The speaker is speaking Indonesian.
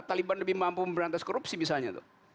taliban lebih mampu memberantas korupsi misalnya tuh